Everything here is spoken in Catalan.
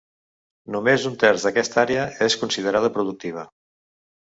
Només un terç d'aquesta àrea és considerada productiva.